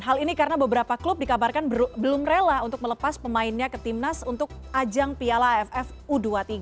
hal ini karena beberapa klub dikabarkan belum rela untuk melepas pemainnya ke timnas untuk ajang piala aff u dua puluh tiga